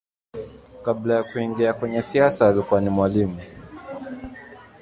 Kabla ya kuingia kwenye siasa alikuwa ni mwalimu.